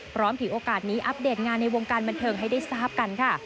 พร้อมถึงโอกาสนี้อัพเดทงานในวงการบันเทิงให้ได้สาบกันค่ะ